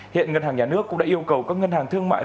hiện ngân hàng nhà nước cũng đã yêu cầu các ngân hàng thương mại